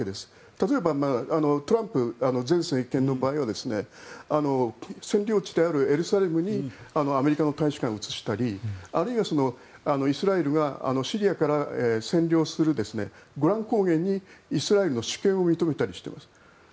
例えばトランプ前政権の場合は占領地であるエルサレムにアメリカの大使館を移したりあるいは、イスラエルがシリアから占領するゴラン高原にイスラエルの主権を認めたりしています。